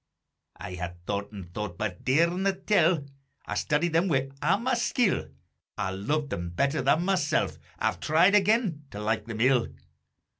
_ I hae thought an' thought, but darena tell, I've studied them wi' a' my skill, I've lo'd them better than mysell, I've tried again to like them ill.